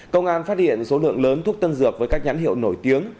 công an phát hiện số lượng lớn thuốc tân dược với các nhãn hiệu nổi tiếng